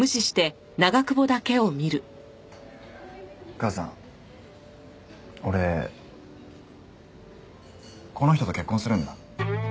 母さん俺この人と結婚するんだ。